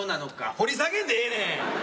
掘り下げんでええねん。